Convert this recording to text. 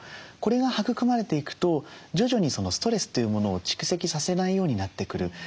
これが育まれていくと徐々にストレスというものを蓄積させないようになってくる。